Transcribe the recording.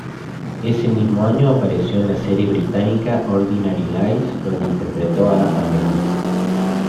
Ese mismo año apareció en la serie británica "Ordinary Lies", donde interpretó a Amelie.